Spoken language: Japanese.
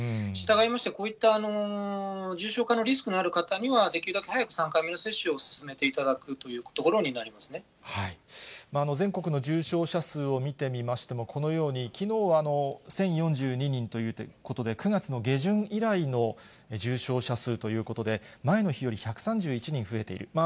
したがいまして、こういった重症化のリスクのある方には、できるだけ早く３回目の接種を進めていただくというところになり全国の重症者数を見てみましても、このように、きのうは１０４２人ということで、９月の下旬以来の重症者数ということで、前の日より１３１人増えている。